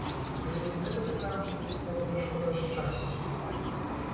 Але ці гэта такая ўжо вялікая перашкода шчасцю?